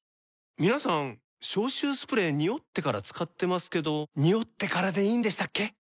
皆さん消臭スプレーニオってから使ってますけどニオってからでいいんでしたっけ？